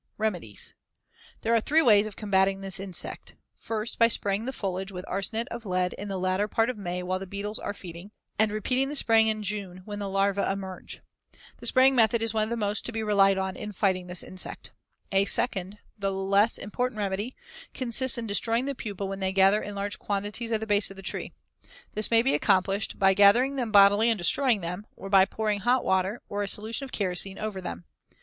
Remedies: There are three ways of combating this insect: First, by spraying the foliage with arsenate of lead in the latter part of May while the beetles are feeding, and repeating the spraying in June when the larvae emerge. The spraying method is the one most to be relied on in fighting this insect. A second, though less important remedy, consists in destroying the pupae when they gather in large quantities at the base of the tree. This may be accomplished by gathering them bodily and destroying them, or by pouring hot water or a solution of kerosene over them.